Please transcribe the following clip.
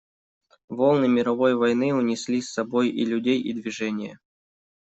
Волны мировой войны унесли с собой и людей и движение.